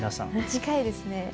近いですね。